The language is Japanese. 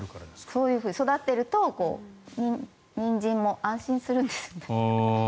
そういうふうに育っているとニンジンも安心するんです。